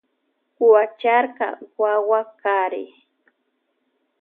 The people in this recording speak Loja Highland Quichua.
Huacharka wawu kari.